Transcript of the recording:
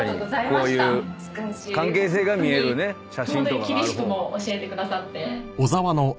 「ホントに厳しくも教えてくださって」